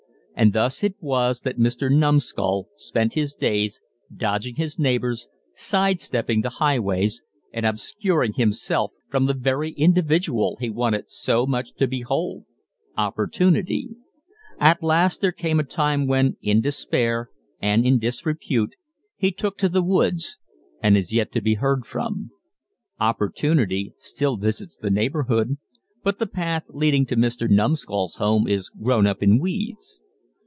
And thus it was that Mister Numbskull spent his days, dodging his neighbors, sidestepping the highways and obscuring himself from the very individual he wanted so much to behold Opportunity. At last there came a time when, in despair, and in disrepute, he took to the woods and is yet to be heard from. Opportunity still visits the neighborhood, but the path leading to Mister Numbskull's home is grown up in weeds.